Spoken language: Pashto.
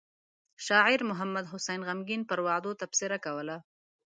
شاعر محمد حسين غمګين پر وعدو تبصره کوله.